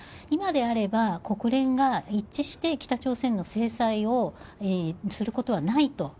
今であれば国連が一致して北朝鮮の制裁をすることはないと。